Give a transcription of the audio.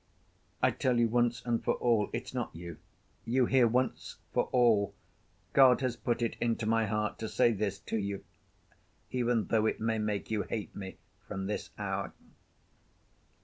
I tell you once and for all, it's not you. You hear, once for all! God has put it into my heart to say this to you, even though it may make you hate me from this hour."